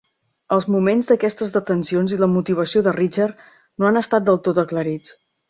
Els moments d'aquestes detencions i la motivació de Richard no han estat del tot aclarits.